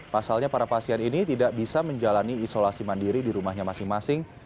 pasalnya para pasien ini tidak bisa menjalani isolasi mandiri di rumahnya masing masing